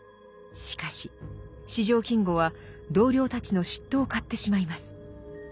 しかし四条金吾は同僚たちの嫉妬を買ってしまいます。